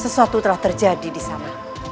sesuatu telah terjadi disamaku